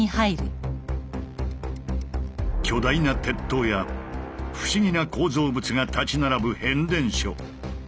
巨大な鉄塔や不思議な構造物が立ち並ぶ変電所。